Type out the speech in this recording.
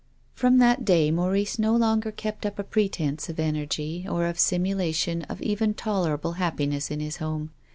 From that day Maurice no longer kept up a pretense of energy, or a simulation of even tol erable happiness in his home.